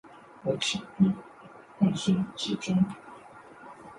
我轻易陷身其中